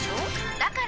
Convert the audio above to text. だから！